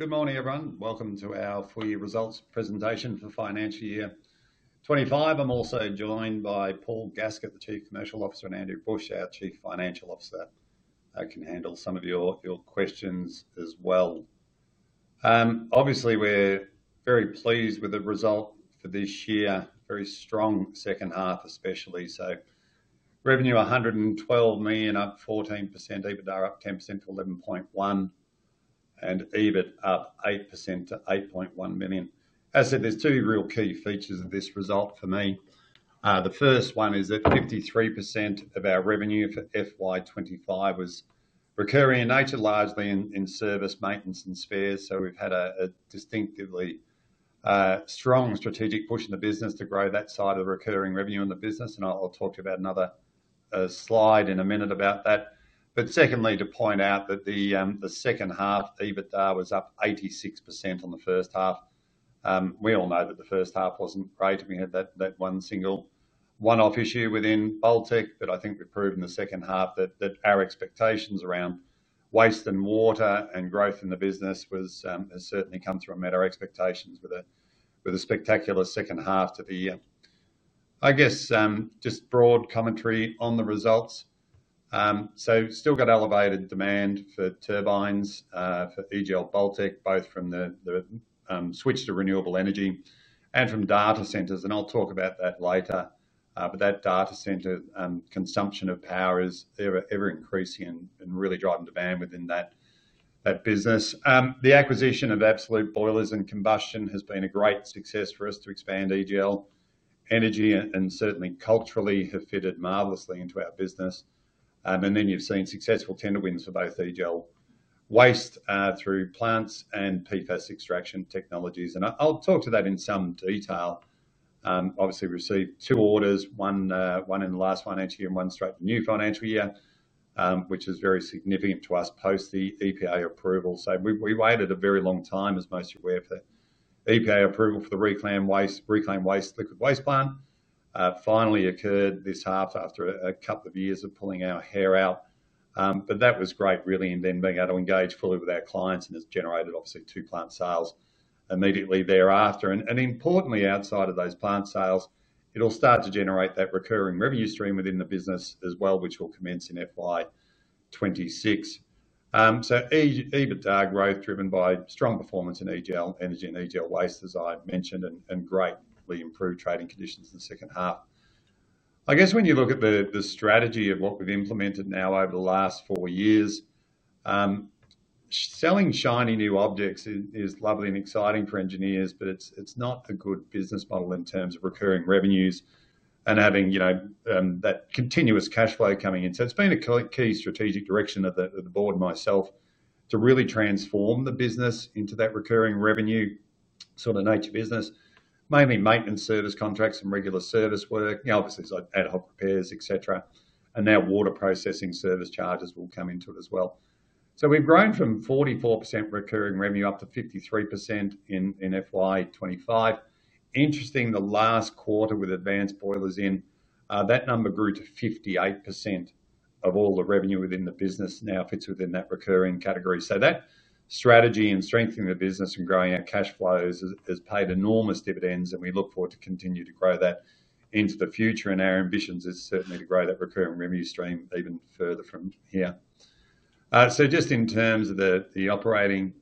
Good morning, everyone. Welcome to our full-year results presentation for the financial year 2025. I'm also joined by Paul Gaskett, the Chief Commercial Officer, and Andrew Bush, our Chief Financial Officer. I can handle some of your questions as well. Obviously, we're very pleased with the results for this year, a very strong second half especially. Revenue $112 million, up 14%, EBITDA up 10% to $11.1 million, and EBIT up 8% to $8.1 million. As I said, there are two real key features of this result for me. The first one is that 53% of our revenue for FY25 was recurring in nature, largely in service, maintenance, and spares. We've had a distinctively strong strategic push in the business to grow that side of the recurring revenue in the business. I'll talk to you about another slide in a minute about that. Secondly, to point out that the second half EBITDA was up 86% on the first half. We all know that the first half wasn't great, and we had that one single one-off issue within Baltec, but I think we've proven in the second half that our expectations around waste and water and growth in the business have certainly come through and met our expectations with a spectacular second half to the year. Just broad commentary on the results. We've still got elevated demand for turbines for EGL Baltec, both from the switch to renewable energy and from data centers. I'll talk about that later. That data center consumption of power is ever increasing and really driving demand within that business. The acquisition of Advanced Boilers & Combustion has been a great success for us to expand EGL Energy and certainly culturally have fitted marvelously into our business. You've seen successful tender wins for both EGL Waste through plants and PFAS extraction technologies. I'll talk to that in some detail. Obviously, we received two orders, one in the last financial year and one straight in the new financial year, which is very significant to us post the EPA approval. We waited a very long time, as most of you are aware, for the EPA approval for the Reclaim Waste Liquid Waste Plant. It finally occurred this half after a couple of years of pulling our hair out. That was great, really, in then being able to engage fully with our clients, and it's generated two plant sales immediately thereafter. Importantly, outside of those plant sales, it'll start to generate that recurring revenue stream within the business as well, which will commence in FY26. EBITDA growth driven by strong performance in EGL Energy and EGL Waste, as I've mentioned, and greatly improved trading conditions in the second half. When you look at the strategy of what we've implemented now over the last four years, selling shiny new objects is lovely and exciting for engineers, but it's not a good business model in terms of recurring revenues and having that continuous cash flow coming in. It's been a key strategic direction of the board and myself to really transform the business into that recurring revenue sort of nature business, mainly maintenance service contracts and regular service work. Obviously, it's like ad hoc repairs, etc. Now water processing service charges will come into it as well. We've grown from 44% recurring revenue up to 53% in FY25. Interestingly, the last quarter with Advanced Boilers in, that number grew to 58% of all the revenue within the business now fits within that recurring category. That strategy and strengthening the business and growing our cash flows has paid enormous dividends, and we look forward to continuing to grow that into the future. Our ambition is certainly to grow that recurring revenue stream even further from here. Just in terms of the operating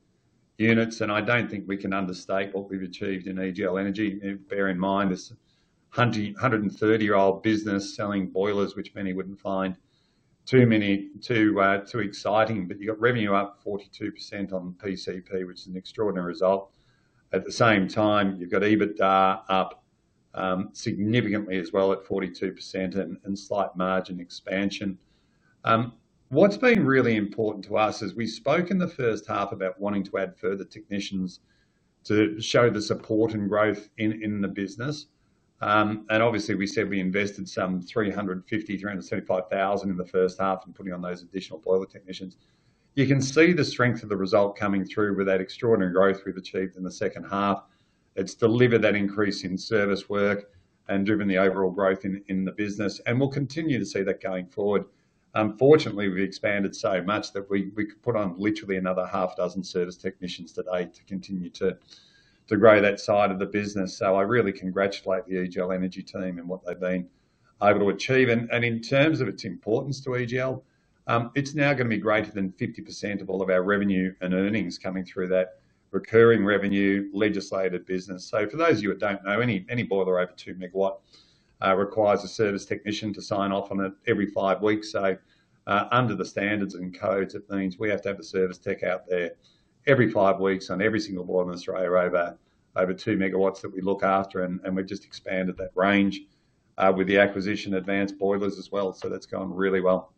units, I don't think we can understate what we've achieved in EGL Energy. Bear in mind, it's a 130-year-old business selling boilers, which many wouldn't find too exciting. You've got revenue up 42% on PCP, which is an extraordinary result. At the same time, you've got EBITDA up significantly as well at 42% and slight margin expansion. What's been really important to us is we spoke in the first half about wanting to add further technicians to show the support and growth in the business. Obviously, we said we invested some $350,000, $375,000 in the first half in putting on those additional boiler technicians. You can see the strength of the result coming through with that extraordinary growth we've achieved in the second half. It's delivered that increase in service work and driven the overall growth in the business. We'll continue to see that going forward. Fortunately, we've expanded so much that we could put on literally another half dozen service technicians today to continue to grow that side of the business. I really congratulate the EGL Energy team and what they've been able to achieve. In terms of its importance to EGL, it's now going to be greater than 50% of all of our revenue and earnings coming through that recurring revenue legislated business. For those of you that don't know, any boiler over 2 MW requires a service technician to sign off on it every five weeks. Under the standards and codes, it means we have to have a service tech out there every five weeks on every single boiler in Australia over 2 MW that we look after. We've just expanded that range with the acquisition of Advanced Boilers as well. That's gone really well.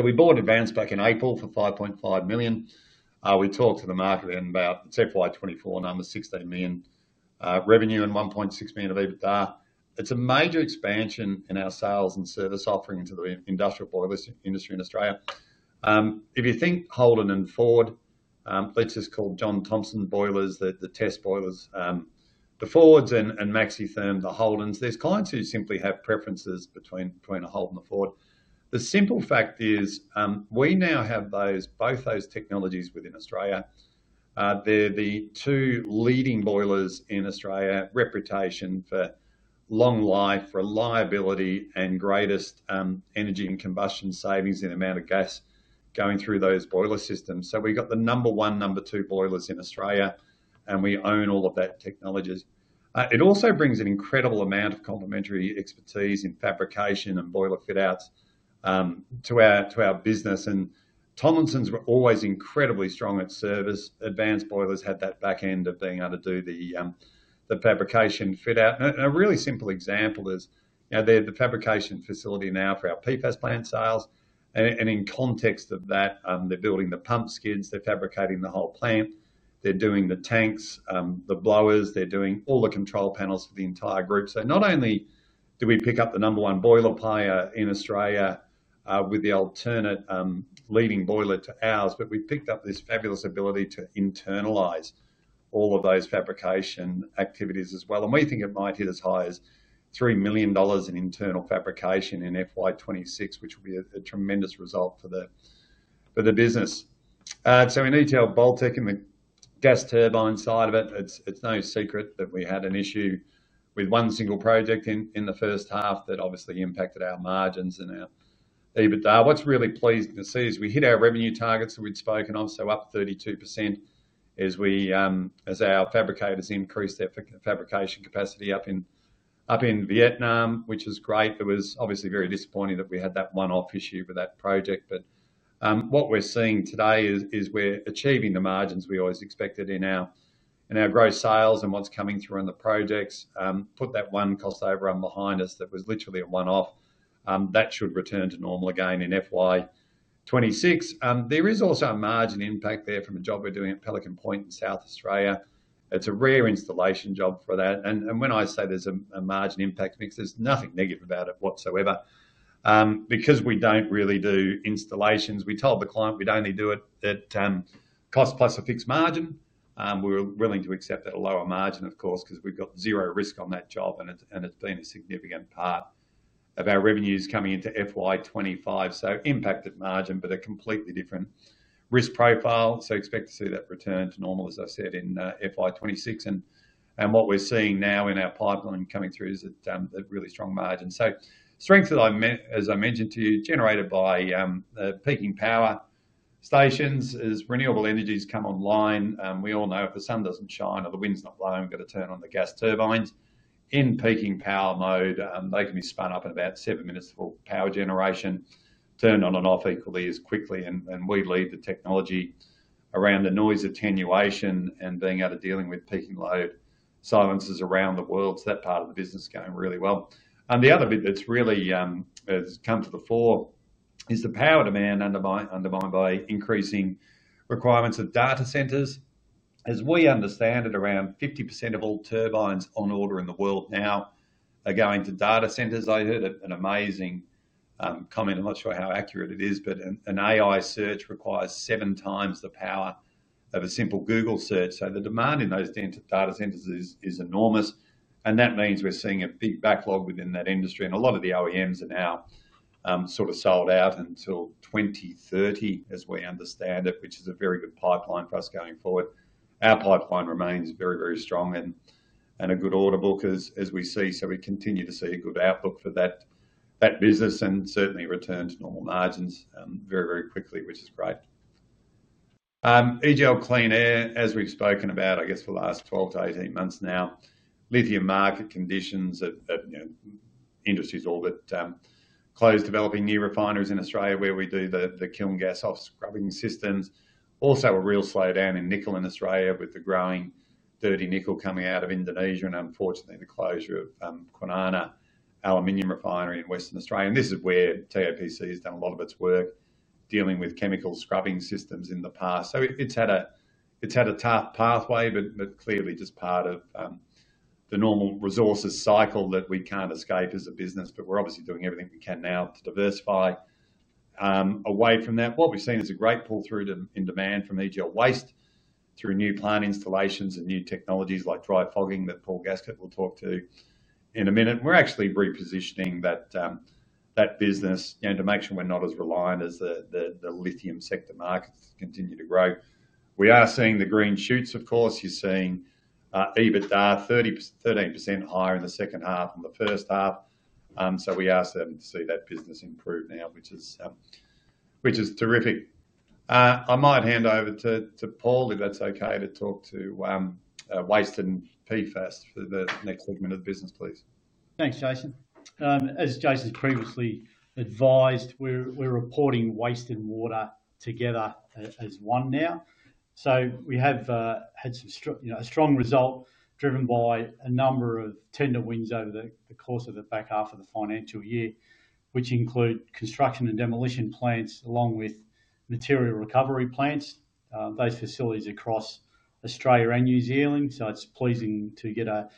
We bought Advanced back in April for $5.5 million. We talked to the market about its FY24 numbers, $16 million revenue and $1.6 million of EBITDA. It's a major expansion in our sales and service offering to the industrial boiler industry in Australia. If you think Holden and Ford, let's just call John Thompson boilers the Fords and Maxitherm the Holdens, there's clients who simply have preferences between a Holden and a Ford. The simple fact is we now have both those technologies within Australia. They're the two leading boilers in Australia, reputation for long life, reliability, and greatest energy and combustion savings in the amount of gas going through those boiler systems. We've got the number one and number two boilers in Australia, and we own all of that technology. It also brings an incredible amount of complementary expertise in fabrication and boiler fit-outs to our business. Tomlinson's always incredibly strong at service. Advanced Boilers had that back end of being able to do the fabrication fit-out. A really simple example is they're the fabrication facility now for our PFAS plant sales. In context of that, they're building the pump skids, they're fabricating the whole plant, they're doing the tanks, the blowers, they're doing all the control panels for the entire group. Not only do we pick up the number one boiler player in Australia with the alternate leading boiler to ours, but we've picked up this fabulous ability to internalize all of those fabrication activities as well. We think it might hit as high as $3 million in internal fabrication in FY26, which will be a tremendous result for the business. In EGL Baltec and the gas turbine side of it, it's no secret that we had an issue with one single project in the first half that obviously impacted our margins and our EBITDA. What's really pleasing to see is we hit our revenue targets that we'd spoken of, up 32% as our fabricators increased their fabrication capacity up in Vietnam, which was great. It was obviously very disappointing that we had that one-off issue with that project. What we're seeing today is we're achieving the margins we always expected in our growth sales and what's coming through on the projects. Put that one cost overrun behind us that was literally a one-off, that should return to normal again in FY26. There is also a margin impact there from a job we're doing at Pelican Point in South Australia. It's a rear installation job for that. When I say there's a margin impact mix, there's nothing negative about it whatsoever because we don't really do installations. We told the client we'd only do it at cost plus a fixed margin. We were willing to accept that lower margin, of course, because we've got zero risk on that job and it's been a significant part of our revenues coming into FY25. Impacted margin, but a completely different risk profile. Expect to see that return to normal, as I said, in FY26. What we're seeing now in our pipeline coming through is that really strong margin. Strength that I mentioned to you, generated by peaking power stations as renewable energies come online. We all know if the sun doesn't shine or the wind's not blowing, we've got to turn on the gas turbines. In peaking power mode, they can be spun up in about seven minutes for power generation, turned on and off equally as quickly, and we lead the technology around the noise attenuation and being able to deal with peaking load silencers around the world. That part of the business is going really well. The other bit that's really come to the fore is the power demand undermined by increasing requirements of data centers. As we understand it, around 50% of all turbines on order in the world now are going to data centers. I heard an amazing comment, I'm not sure how accurate it is, but an AI search requires 7x the power of a simple Google search. The demand in those data centers is enormous, and that means we're seeing a big backlog within that industry. A lot of the OEMs are now sort of sold out until 2030, as we understand it, which is a very good pipeline for us going forward. Our pipeline remains very, very strong and a good auditable because, as we see, we continue to see a good outlook for that business and certainly return to normal margins very, very quickly, which is great. EGL Clean Air, as we've spoken about, I guess for the last 12-18 months now, lithium market conditions at industries all that closed developing new refineries in Australia where we do the kiln gas off scrubbing systems. Also, a real slowdown in nickel in Australia with the growing dirty nickel coming out of Indonesia and unfortunately the closure of Kwinana Aluminium Refinery in Western Australia. This is where TAPC has done a lot of its work dealing with chemical scrubbing systems in the past. It's had a tough pathway, but clearly just part of the normal resources cycle that we can't escape as a business. We're obviously doing everything we can now to diversify away from that. What we've seen is a great pull-through in demand from EGL Waste through new plant installations and new technologies like dry fogging that Paul Gaskett will talk to in a minute. We're actually repositioning that business to make sure we're not as reliant as the lithium sector markets continue to grow. We are seeing the green shoots, of course. You're seeing EBITDA 13% higher in the second half than the first half. We are starting to see that business improve now, which is terrific. I might hand over to Paul, if that's okay, to talk to waste and PFAS for the next segment of the business, please. Thanks, Jason. As Jason has previously advised, we're reporting waste and water together as one now. We have had a strong result driven by a number of tender wins over the course of the back half of the financial year, which include construction and demolition plants along with material recovery plants, those facilities across Australia and New Zealand. It's pleasing to get a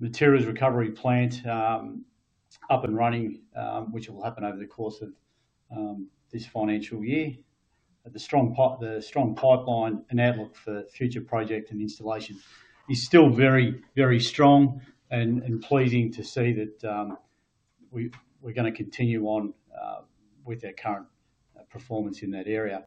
materials recovery plant up and running, which will happen over the course of this financial year. The strong pipeline and outlook for future projects and installations is still very, very strong and pleasing to see that we're going to continue on with our current performance in that area.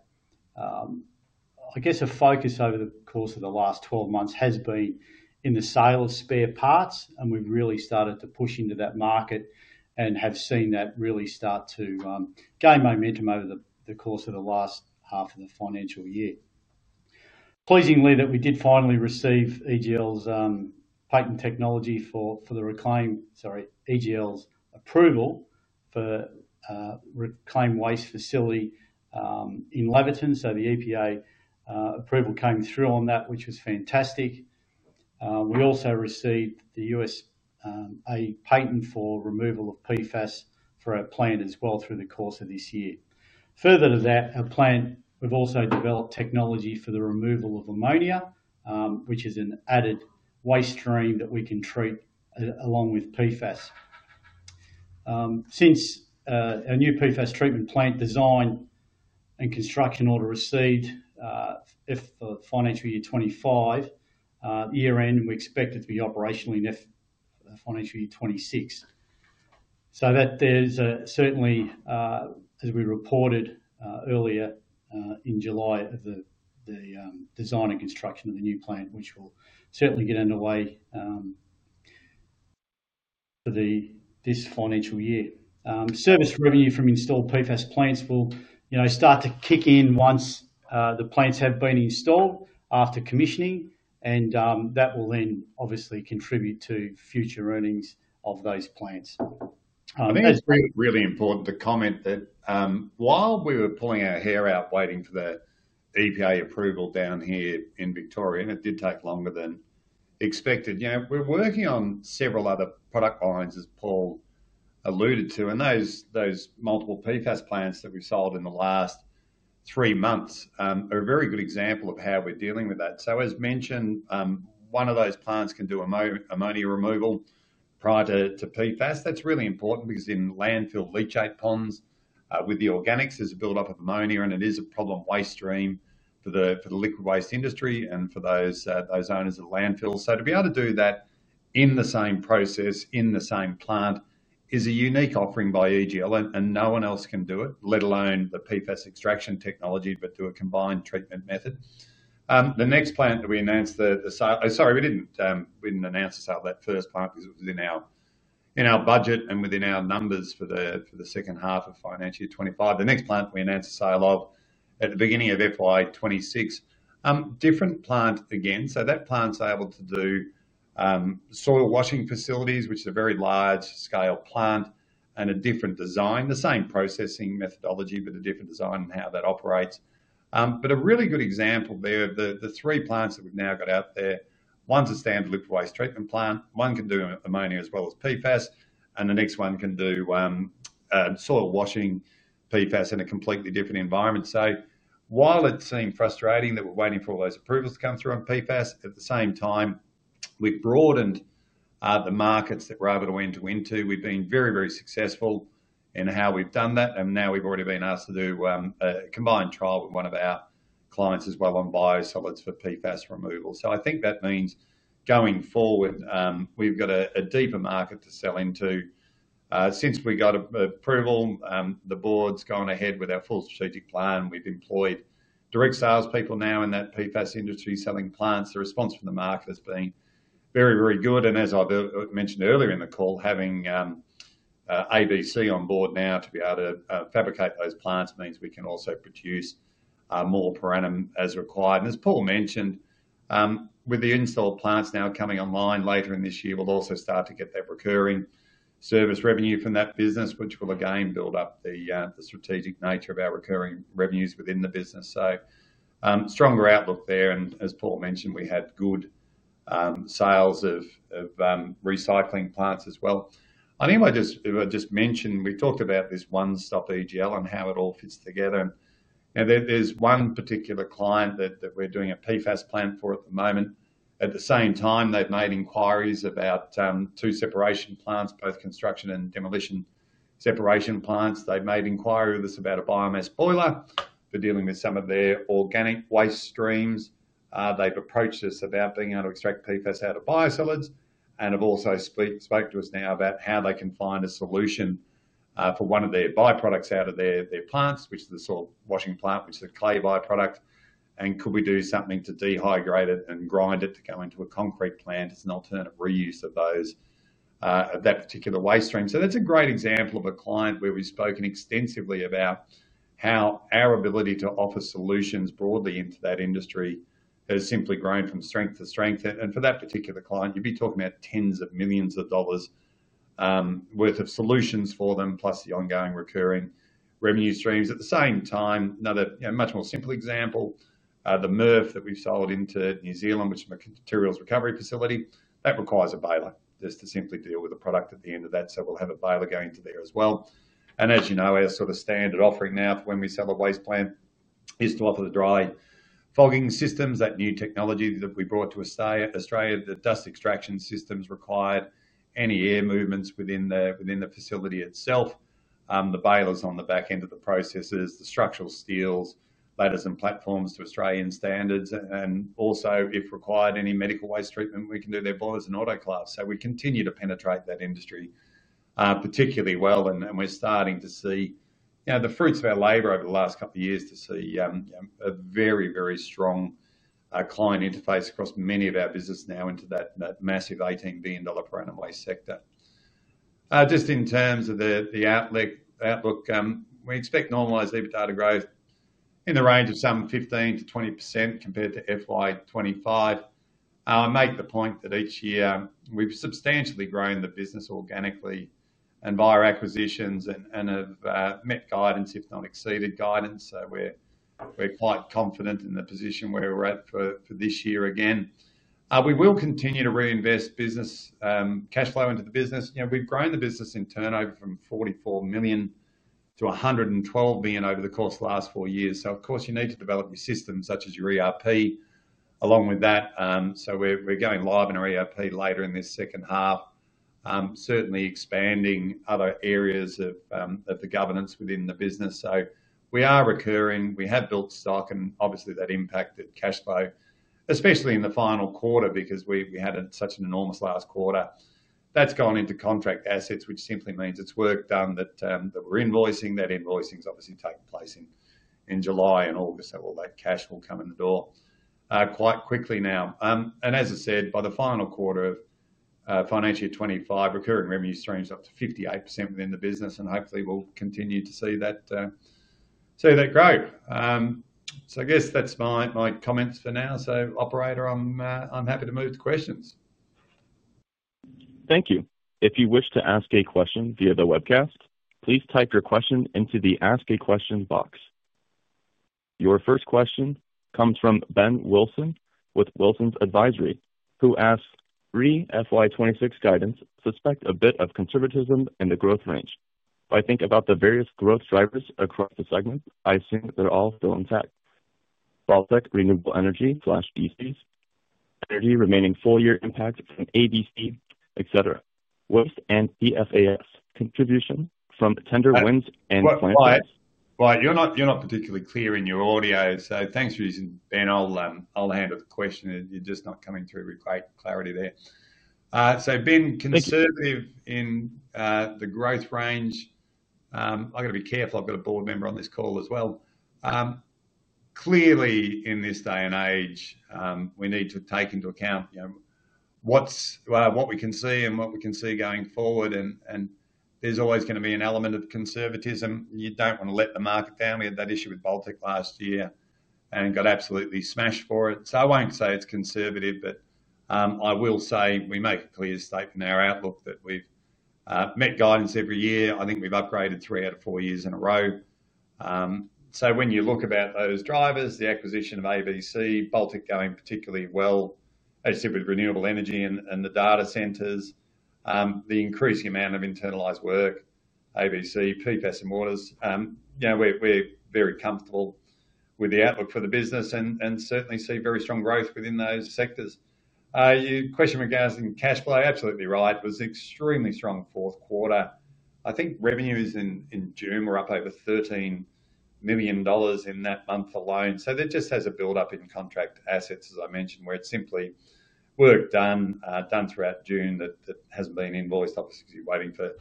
I guess a focus over the course of the last 12 months has been in the sale of spare parts, and we've really started to push into that market and have seen that really start to gain momentum over the course of the last half of the financial year. Pleasingly, we did finally receive EGL's approval for the Reclaim Waste facility in Leverton. The EPA approval came through on that, which was fantastic. We also received the U.S.A. patent for removal of PFAS for our plant as well through the course of this year. Further to that, our plant, we've also developed technology for the removal of ammonia, which is an added waste stream that we can treat along with PFAS. Since our new PFAS treatment plant design and construction order received for financial year 2025, year end, we expect it to be operational in financial year 2026. As we reported earlier in July, the design and construction of the new plant will certainly get underway for this financial year. Service revenue from installed PFAS plants will start to kick in once the plants have been installed after commissioning, and that will then obviously contribute to future earnings of those plants. I think it's really important to comment that while we were pulling our hair out waiting for the EPA approvals down here in Victoria, and it did take longer than expected, we're working on several other product lines, as Paul alluded to. Those multiple PFAS plants that we sold in the last three months are a very good example of how we're dealing with that. As mentioned, one of those plants can do ammonia removal prior to PFAS. That's really important because in landfill leachate ponds with the organics, there is a buildup of ammonia, and it is a problem waste stream for the liquid waste industry and for those owners of landfills. To be able to do that in the same process, in the same plant, is a unique offering by EGL, and no one else can do it, let alone the PFAS extraction technology, but do a combined treatment method. The next plant that we announced the sale of, sorry, we didn't announce the sale of that first plant because it was in our budget and within our numbers for the second half of financial year 2025. The next plant we announced the sale of at the beginning of FY26, different plant again. That plant's able to do soil washing facilities, which is a very large-scale plant and a different design, the same processing methodology, but a different design in how that operates. A really good example there of the three plants that we've now got out there: one's a standard liquid waste treatment plant, one can do ammonia as well as PFAS, and the next one can do soil washing PFAS in a completely different environment. While it seemed frustrating that we're waiting for all those approvals to come through on PFAS, at the same time, we've broadened the markets that we're able to enter into. We've been very, very successful in how we've done that, and now we've already been asked to do a combined trial with one of our clients as well on biosolids for PFAS removal. I think that means going forward, we've got a deeper market to sell into. Since we got approval, the board's gone ahead with our full strategic plan. We've employed direct salespeople now in that PFAS industry selling plants. The response from the market has been very, very good. As I mentioned earlier in the call, having ABC on board now to be able to fabricate those plants means we can also produce more per annum as required. As Paul mentioned, with the installed plants now coming online later this year, we'll also start to get that recurring service revenue from that business, which will again build up the strategic nature of our recurring revenues within the business. There is a stronger outlook there. As Paul mentioned, we had good sales of recycling plants as well. If I just mention, we talked about this one-stop EGL and how it all fits together. There is one particular client that we're doing a PFAS plant for at the moment. At the same time, they've made inquiries about two separation plants, both construction and demolition separation plants. They've made inquiries with us about a biomass boiler for dealing with some of their organic waste streams. They've approached us about being able to extract PFAS out of biosolids and have also spoken to us now about how they can find a solution for one of their byproducts out of their plants, which is the soil washing plant, which is a clay byproduct. Could we do something to dehydrate it and grind it to go into a concrete plant as an alternative reuse of that particular waste stream? That's a great example of a client where we've spoken extensively about how our ability to offer solutions broadly into that industry has simply grown from strength to strength. For that particular client, you'd be talking about tens of millions of dollars worth of solutions for them, plus the ongoing recurring revenue streams. At the same time, another much more simple example, the MERF that we've sold into New Zealand, which is a materials recovery facility that requires a baler just to simply deal with the product at the end of that. We'll have a baler going to there as well. As you know, our sort of standard offering now for when we sell a waste plant is to offer the dry fogging systems, that new technology that we brought to Australia, the dust extraction systems required, any air movements within the facility itself, the balers on the back end of the processors, the structural steels, ladders and platforms to Australian standards. Also, if required, any medical waste treatment we can do, their boilers and autoclaves. We continue to penetrate that industry particularly well. We're starting to see the fruits of our labor over the last couple of years to see a very, very strong client interface across many of our businesses now into that massive $18 billion per annum waste sector. Just in terms of the outlook, we expect normalised EBITDA to grow in the range of some 15%-20% compared to FY25. I make the point that each year we've substantially grown the business organically and via acquisitions and have met guidance, if not exceeded guidance. We're quite confident in the position where we're at for this year again. We will continue to reinvest business cash flow into the business. We've grown the business in turnover from $44 million-$112 million over the course of the last four years. Of course, you need to develop your systems such as your ERP along with that. We're going live in our ERP later in this second half, certainly expanding other areas of the governance within the business. We are recurring, we have built stock, and obviously that impacted cash flow, especially in the final quarter because we had such an enormous last quarter. That's gone into contract assets, which simply means it's work done that we're invoicing. That invoicing is obviously taking place in July and August, so all that cash will come in the door quite quickly now. As I said, by the final quarter of financial year 2025, recurring revenue streams up to 58% within the business, and hopefully we'll continue to see that grow. I guess that's my comments for now. Operator, I'm happy to move to questions. Thank you. If you wish to ask a question via the webcast, please type your question into the Ask a Question box. Your first question comes from Ben Wilson with Wilson's Advisory, who asks, "Re: FY26 guidance, suspect a bit of conservatism in the growth range. If I think about the various growth drivers across the segment, I assume they're all still intact: Baltec Renewable Energy/ECs, Energy remaining full year impact from ABC, etc. Waste and PFAS contribution from tender wins and plant. You're not particularly clear in your audio, so thanks, [Jason]. Ben, I'll handle the question. You're just not coming through with great clarity there. Being conservative in the growth range, I've got to be careful. I've got a board member on this call as well. Clearly, in this day and age, we need to take into account what we can see and what we can see going forward. There's always going to be an element of conservatism. You don't want to let the market down. We had that issue with Baltec last year and got absolutely smashed for it. I won't say it's conservative, but I will say we make a clear statement in our outlook that we've met guidance every year. I think we've upgraded three out of four years in a row. When you look at those drivers, the acquisition of ABC, Baltec going particularly well as if it was renewable energy and the data centers, the increasing amount of internalized work, ABC, PFAS, and waters, we're very comfortable with the outlook for the business and certainly see very strong growth within those sectors. Your question regarding cash flow, absolutely right, was an extremely strong fourth quarter. I think revenues in June were up over $13 million in that month alone. That just has a buildup in contract assets, as I mentioned, where it's simply work done throughout June that hasn't been invoiced, obviously waiting for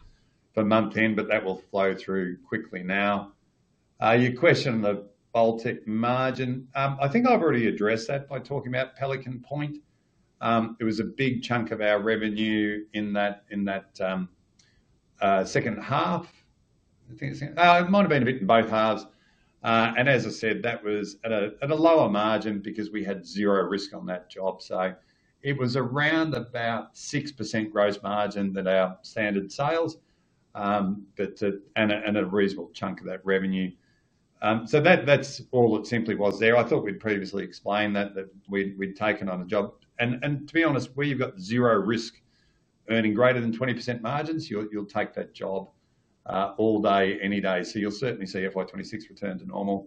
month end, but that will flow through quickly now. Your question on the Baltec margin, I think I've already addressed that by talking about Pelican Point. It was a big chunk of our revenue in that second half. I think it might have been a bit in both halves. As I said, that was at a lower margin because we had zero risk on that job. It was around about 6% gross margin that our standard sales and a reasonable chunk of that revenue. That's all it simply was there. I thought we'd previously explained that we'd taken on a job. To be honest, where you've got zero risk earning greater than 20% margins, you'll take that job all day, any day. You'll certainly see FY26 return to normal.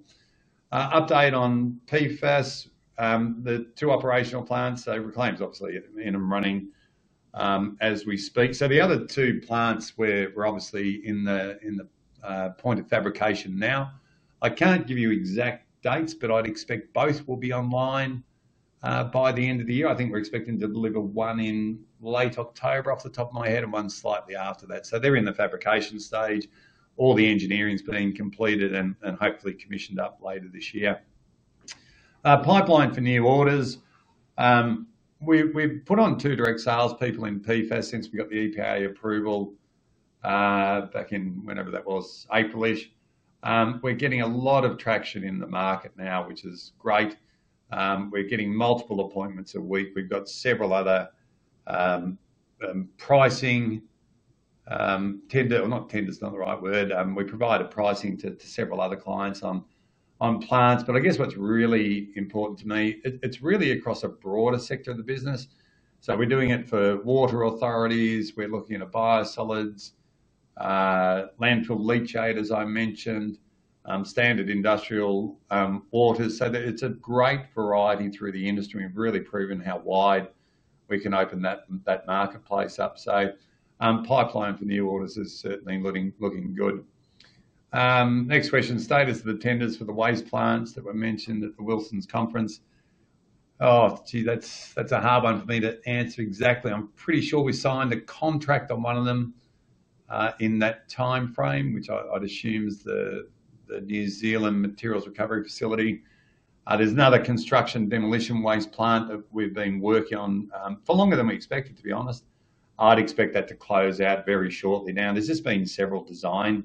Update on PFAS, the two operational plants, so Reclaim's obviously in and running as we speak. The other two plants where we're obviously in the point of fabrication now, I can't give you exact dates, but I'd expect both will be online by the end of the year. I think we're expecting to deliver one in late October off the top of my head and one slightly after that. They're in the fabrication stage. All the engineering's being completed and hopefully commissioned up later this year. Pipeline for new orders, we've put on two direct salespeople in PFAS since we got the EPA approvals back in, whenever that was, April-ish. We're getting a lot of traction in the market now, which is great. We're getting multiple appointments a week. We've got several other pricing, not tender, it's not the right word. We provide pricing to several other clients on plants. What's really important to me, it's really across a broader sector of the business. We're doing it for water authorities. We're looking at biosolids, landfill leachate, as I mentioned, standard industrial waters. It's a great variety through the industry. We've really proven how wide we can open that marketplace up. Pipeline for new orders is certainly looking good. Next question, status of the tenders for the waste treatment plants that were mentioned at the Wilson's conference. That's a hard one for me to answer exactly. I'm pretty sure we signed a contract on one of them in that timeframe, which I'd assume is the New Zealand materials recovery facility. There's another construction demolition waste plant that we've been working on for longer than we expected, to be honest. I'd expect that to close out very shortly now. There have been several design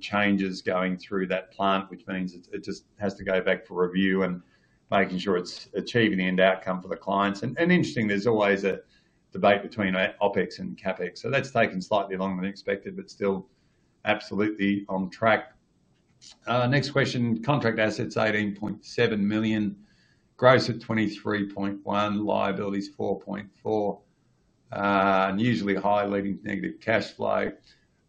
changes going through that plant, which means it just has to go back for review and making sure it's achieving the end outcome for the clients. There's always a debate between OpEx and CapEx. That's taken slightly longer than expected, but still absolutely on track. Next question, contract assets $18.7 million, gross at $23.1 million, liabilities $4.4 million, and usually high leading to negative cash flow.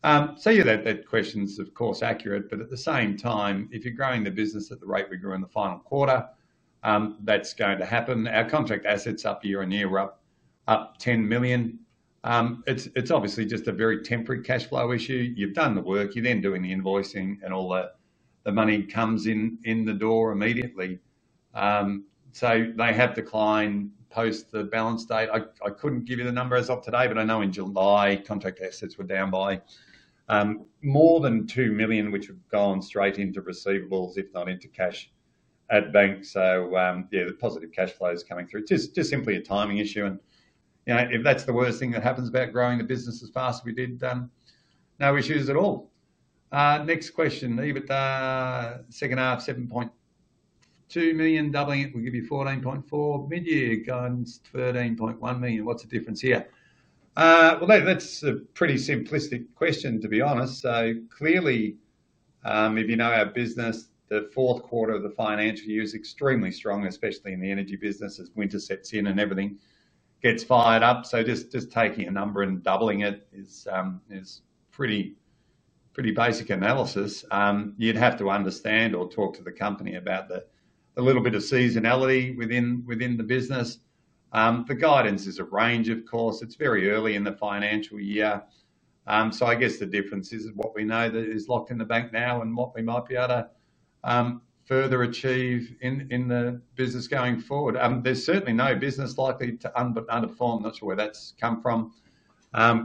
That question is of course accurate, but at the same time, if you're growing the business at the rate we grew in the final quarter, that's going to happen. Our contract assets up year on year, up $10 million. It's obviously just a very temporary cash flow issue. You've done the work, you're then doing the invoicing and all that. The money comes in the door immediately. They have declined post the balance date. I couldn't give you the numbers off today, but I know in July, contract assets were down by more than $2 million, which would go on straight into receivables, if not into cash at bank. The positive cash flow is coming through. It's just simply a timing issue. If that's the worst thing that happens about growing the business as fast as we did, no issues at all. Next question, EBITDA second half $7.2 million, doubling it will give you $14.4 million. Mid-year going to $13.1 million. What's the difference here? That's a pretty simplistic question, to be honest. Clearly, if you know our business, the fourth quarter of the financial year is extremely strong, especially in the energy business as winter sets in and everything gets fired up. Just taking a number and doubling it is pretty basic analysis. You'd have to understand or talk to the company about a little bit of seasonality within the business. The guidance is a range, of course. It's very early in the financial year. I guess the difference is what we know that is locked in the bank now and what we might be able to further achieve in the business going forward. There's certainly no business likely to underperform. I'm not sure where that's come from.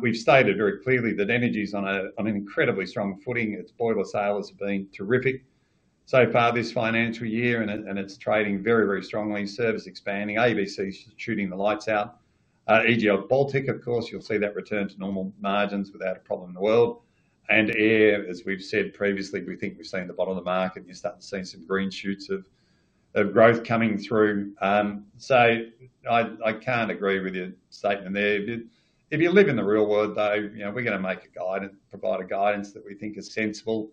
We've stated very clearly that energy is on an incredibly strong footing. Its boiler sales have been terrific so far this financial year, and it's trading very, very strongly. Service expanding, ABC is shooting the lights out. EGL Baltec, of course, you'll see that return to normal margins without a problem in the world. Air, as we've said previously, we think we've seen the bottom of the market. You start to see some green shoots of growth coming through. I can't agree with your statement there. If you live in the real world, you know, we're going to make a guidance, provide a guidance that we think is sensible.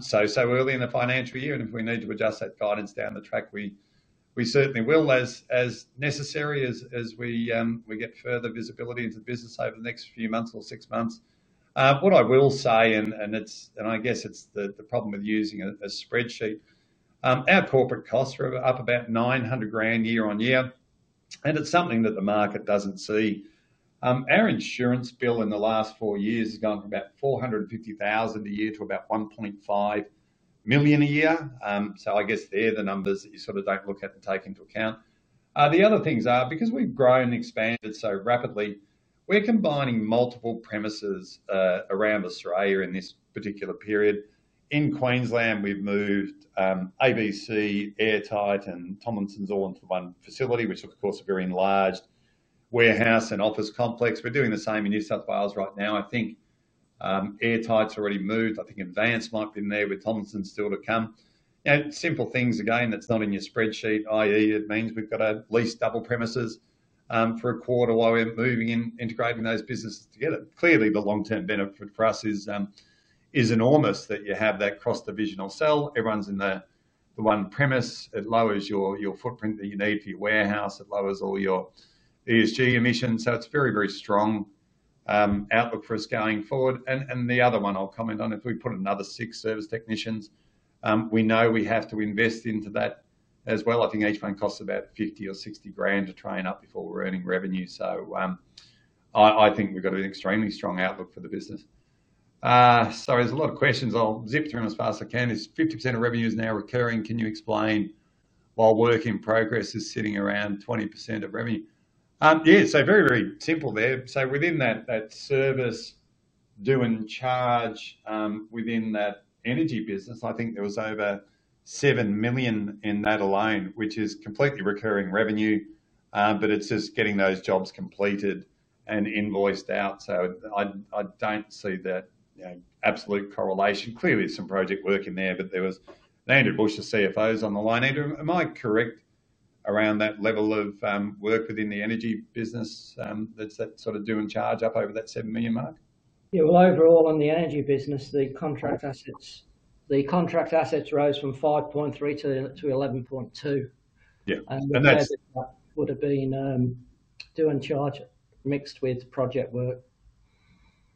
So early in the financial year, and if we need to adjust that guidance down the track, we certainly will as necessary as we get further visibility into the business over the next few months or six months. What I will say, and I guess it's the problem with using a spreadsheet, our corporate costs are up about $900,000 year on year, and it's something that the market doesn't see. Our insurance bill in the last four years has gone from about $450,000 a year to about $1.5 million a year. I guess they're the numbers that you sort of don't look at and take into account. The other things are, because we've grown and expanded so rapidly, we're combining multiple premises around Australia in this particular period. In Queensland, we've moved ABC, Airtight, and Tomlinson all into one facility, which of course is a very enlarged warehouse and office complex. We're doing the same in New South Wales right now. I think Airtight has already moved. I think Advanced might be in there with Tomlinson still to come. Simple things again that's not in your spreadsheet, i.e., it means we've got at least double premises for a quarter while we're moving and integrating those businesses together. Clearly, the long-term benefit for us is enormous that you have that cross-divisional cell. Everyone's in the one premise. It lowers your footprint that you need for your warehouse. It lowers all your ESG emissions. It's a very, very strong outlook for us going forward. The other one I'll comment on, if we put another six service technicians, we know we have to invest into that as well. I think each one costs about $50,000 or $60,000 to train up before we're earning revenue. I think we've got an extremely strong outlook for the business. There's a lot of questions. I'll zip through them as fast as I can. Is 50% of revenue now recurring? Can you explain why work in progress is sitting around 20% of revenue? Very, very simple there. Within that service, doing charge within that energy business, I think there was over $7 million in that alone, which is completely recurring revenue, but it's just getting those jobs completed and invoiced out. I don't see that absolute correlation. Clearly, there's some project work in there, but there was Andrew Bush, the CFO, on the line. Andrew, am I correct around that level of work within the energy business that's that sort of doing charge up over that $7 million mark? Overall in the energy business, the contract assets rose from $5.3 million-$11.2 million. That would have been doing charge mixed with project work.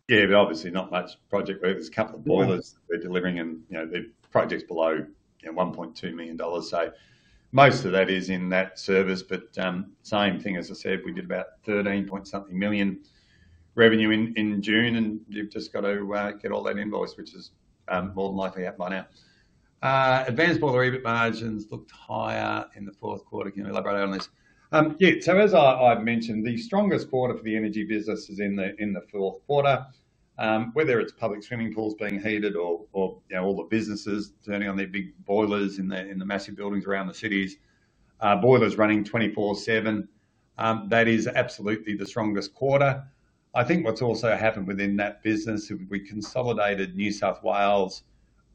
Yeah, but obviously not much project work. There's a couple of boilers that we're delivering and, you know, they're projects below $1.2 million. Most of that is in that service, but same thing as I said, we did about $13 million something revenue in June, and you've just got to get all that invoiced, which is more than likely up by now. Advanced EBITDA margins looked higher in the fourth quarter. Can you elaborate on this? Yeah, as I mentioned, the strongest boiler for the energy business is in the fourth quarter, whether it's public swimming pools being heated or all the businesses turning on their big boilers in the massive buildings around the cities, boilers running 24/7. That is absolutely the strongest quarter. I think what's also happened within that business is we consolidated New South Wales,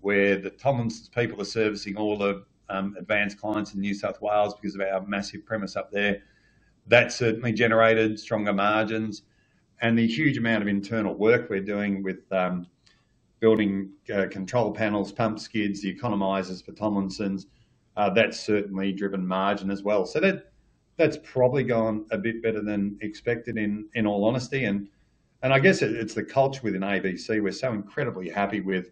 where the Tomlinson people are servicing all the Advanced clients in New South Wales because of our massive premise up there. That certainly generated stronger margins. The huge amount of internal work we're doing with building control panels, pump skids, the economizers for Tomlinson, that's certainly driven margin as well. That's probably gone a bit better than expected in all honesty. I guess it's the culture within ABC, we're so incredibly happy with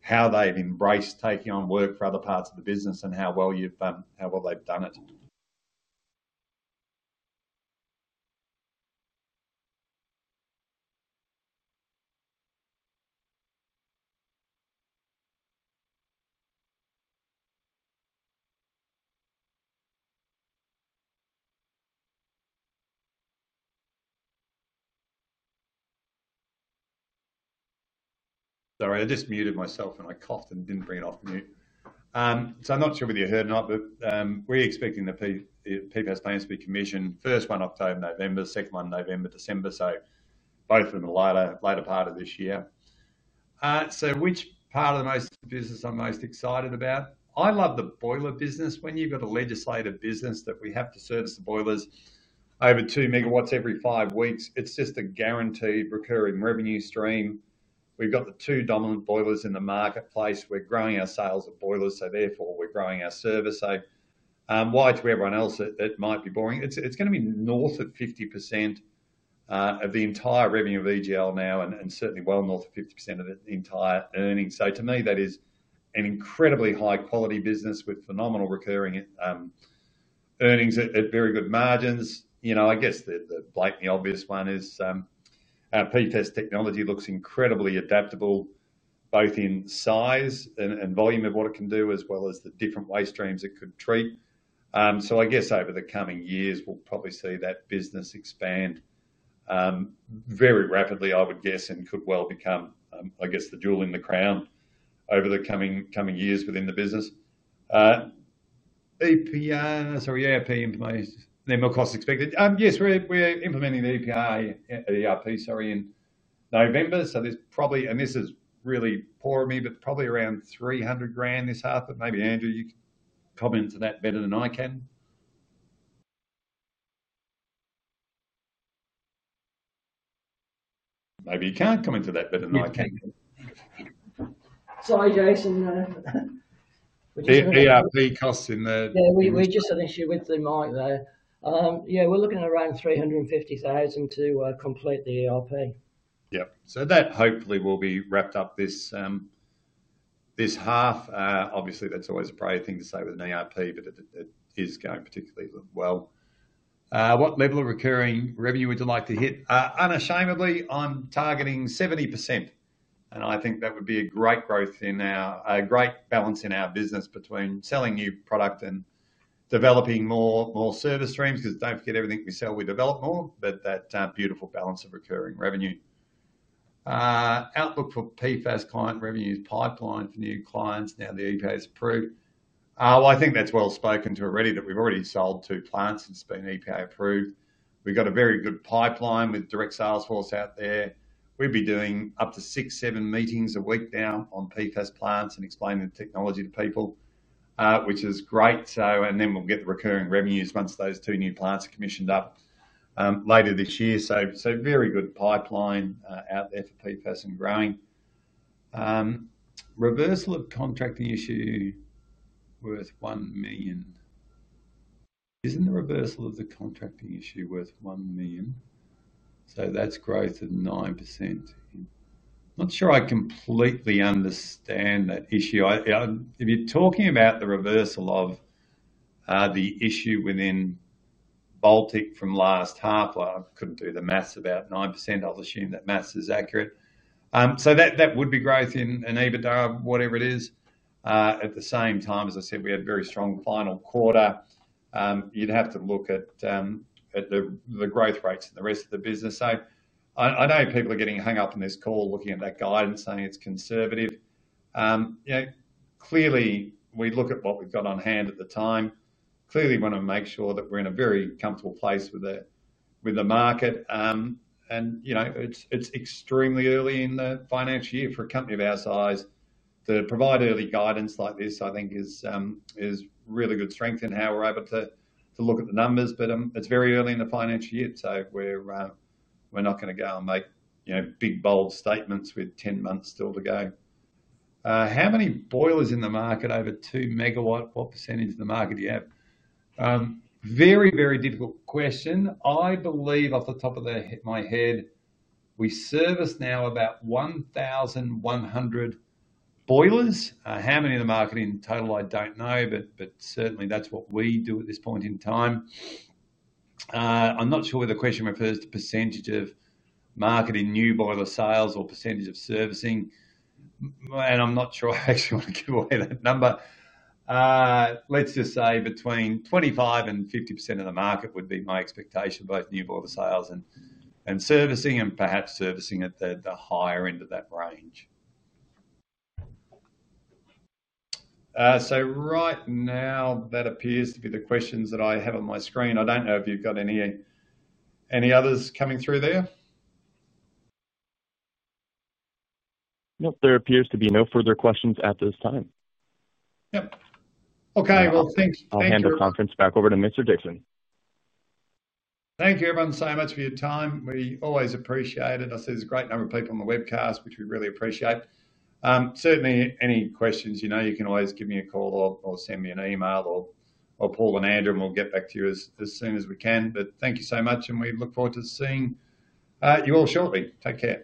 how they've embraced taking on work for other parts of the business and how well they've done it. Sorry, I just muted myself and I coughed and didn't bring it off mute. I'm not sure whether you heard or not, but we're expecting the PFAS plans to be commissioned. First one up in November, second one in November, December. Both of them in the later part of this year. Which part of the business I'm most excited about? I love the boiler business. When you've got a legislative business that we have to service the boilers over 2 MW every five weeks, it's just a guaranteed recurring revenue stream. We've got the two dominant boilers in the marketplace. We're growing our sales at boilers, so therefore we're growing our service. To everyone else that might be boring, it's going to be north of 50% of the entire revenue of EGL now and certainly well north of 50% of the entire earnings. To me, that is an incredibly high-quality business with phenomenal recurring earnings at very good margins. You know, I guess the blatantly obvious one is PFAS removal technology looks incredibly adaptable, both in size and volume of what it can do, as well as the different waste streams it could treat. I guess over the coming years, we'll probably see that business expand very rapidly, I would guess, and could well become the jewel in the crown over the coming years within the business. ERP implementation, minimal cost expected. Yes, we're implementing the ERP in November. There's probably, and this is really poor of me, but probably around $300,000 this half, but maybe Andrew, you can comment to that better than I can. Maybe you can comment to that better than I can. Sorry, Jason, you know. ERP costs in the. We're just an issue with the mic there. Yeah, we're looking at around $350,000 to complete the ERP. Yep. So, that hopefully will be wrapped up this half. Obviously, that's always a pretty thing to say with an ERP, but it is going particularly well. What level of recurring revenue would you like to hit? Unashamedly, I'm targeting 70%, and I think that would be a great growth in our great balance in our business between selling new product and developing more service streams, because don't forget everything we sell, we develop more, but that beautiful balance of recurring revenue. Outlook for PFAS client revenue is pipeline for new clients now that EPA approvals are approved. I think that's well spoken to already that we've already sold two plants and it's been EPA approved. We've got a very good pipeline with direct sales for us out there. We'd be doing up to six, seven meetings a week now on PFAS plants and explaining the technology to people, which is great. Then we'll get the recurring revenues once those two new plants are commissioned up later this year. Very good pipeline out there for PFAS and growing. Reversal of contracting issue worth $1 million. Isn't the reversal of the contracting issue worth $1 million? So, that's growth of 9%. I'm not sure I completely understand that issue. If you're talking about the reversal of the issue within Baltec from last half, it could be the mass of about 9%. I'll assume that mass is accurate. So, that would be growth in EBITDA, whatever it is. At the same time, as I said, we had a very strong final quarter. You'd have to look at the growth rates in the rest of the business. I know people are getting hung up on this call looking at that guidance saying it's conservative. Clearly, we look at what we've got on hand at the time. Clearly, we want to make sure that we're in a very comfortable place with the market. You know, it's extremely early in the financial year for a company of our size to provide early guidance like this, I think is really good strength in how we're able to look at the numbers. It's very early in the financial year, so we're not going to go and make big, bold statements with 10 months still to go. How many boilers in the market over 2 MW? What percentage of the market do you have? Very, very difficult question. I believe, off the top of my head, we service now about 1,100 boilers. How many in the market in total, I don't know, but certainly that's what we do at this point in time. I'm not sure whether the question refers to percentage of market in new boiler sales or percentage of servicing. I'm not sure I actually want to give away that number. Let's just say between 25% and 50% of the market would be my expectation, both new boiler sales and servicing, and perhaps servicing at the higher end of that range. Right now, that appears to be the questions that I have on my screen. I don't know if you've got any others coming through there. Nope, there appears to be no further questions at this time. Okay, thanks. I'll hand the conference back over to Mr. Dixon. Thank you everyone so much for your time. We always appreciate it. I see there's a great number of people on the webcast, which we really appreciate. Certainly, any questions, you know, you can always give me a call or send me an email or Paul and Andrew, and we'll get back to you as soon as we can. Thank you so much, and we look forward to seeing you all shortly. Take care.